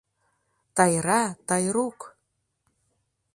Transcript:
Тайра, Тайрук!..